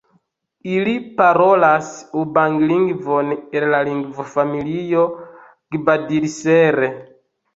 Ili parolas ubangi-lingvon el la lingvofamilio Gbadili-Sere.